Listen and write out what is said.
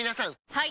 はい！